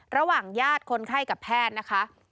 ระหว่างญาติคนไข้กับแพทย์นะคะ